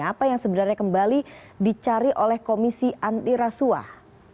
apa yang sebenarnya kembali dicari oleh komisi antirasuah